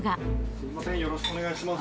すみません、よろしくお願いします。